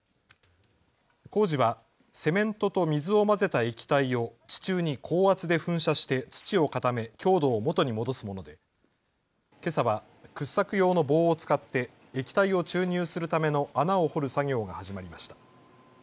工事はセメントと水を混ぜた液体を地中に高圧で噴射して土を固め強度をもとに戻すものでけさは掘削用の棒を使って液体を注入するための穴を掘る作業が始まりました。